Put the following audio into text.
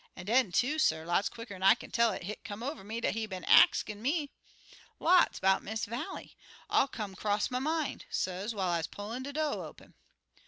An' den, too, suh, lots quicker'n I kin tell it, hit come over me dat he been axin' me lots 'bout Miss Vallie. All come 'cross my min', suh, whiles I pullin' de do' open.